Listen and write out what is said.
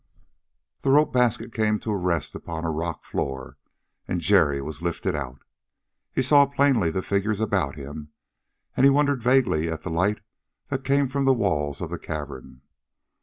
The rope basket came to rest upon a rock floor, and Jerry was lifted out. He saw plainly the figures about him, and he wondered vaguely at the light that came from the walls of the cavern.